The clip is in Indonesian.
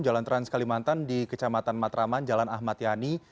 jalan trans kalimantan di kecamatan matraman jalan ahmad yani